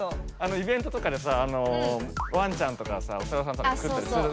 イベントとかでさワンちゃんとかさお猿さんとか作ってるあれでしょ。